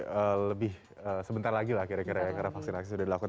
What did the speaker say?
harus lebih sebentar lagi lah kira kira ya karena vaksinasi sudah dilakukan